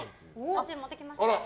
私、持ってきました！